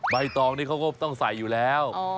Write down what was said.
ใบตองนี่เขาก็ต้องใส่อยู่แล้ว